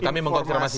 kami mengonfirmasi juga